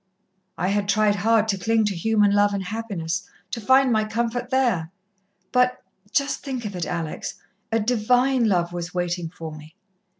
I had tried hard to cling to human love and happiness, to find my comfort there, but just think of it, Alex a Divine Love was waiting for me....